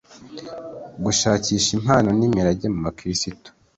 gushakisha impano n’imirage mu bakirisitu